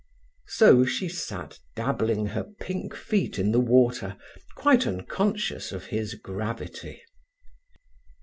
So she sat dabbling her pink feet in the water, quite unconscious of his gravity.